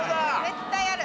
絶対ある。